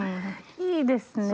いいですね。